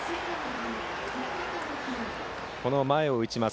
この前を打ちます